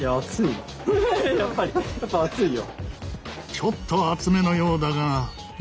ちょっと熱めのようだが。